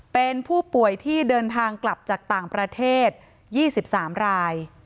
เป็นผู้ป่วยที่เดินทางกลับจากต่างประเทศ๒๓ราย